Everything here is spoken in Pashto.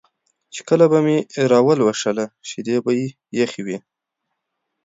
چې کله به مې راولوشله شیدې به یې یخې وې